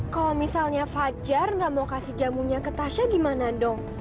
kalau misalnya fajar gak mau kasih jamunya ke tasya gimana dong